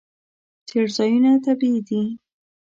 څړځایونه طبیعي دي.